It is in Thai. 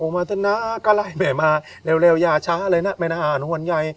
โอ้เมดนะกะไร้แม่มาเร็วอย่าช้าเลยนะแม่นี่หวันใย